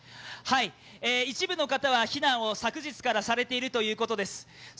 一部の方は避難を昨日からされているということです。